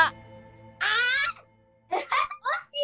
あおしい！